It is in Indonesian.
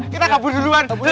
kita kabur duluan